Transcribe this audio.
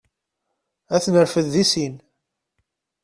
Ad t-nerfed deg sin.